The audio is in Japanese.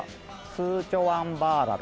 スーチョワンバーラル。